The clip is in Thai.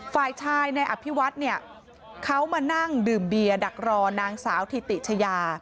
ฝ่ายชายในอภิวัฒน์เนี่ยเขามานั่งดื่มเบียร์ดักรอนางสาวถิติชายา